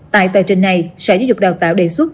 tại tờ trình này sở giáo dục đào tạo đề xuất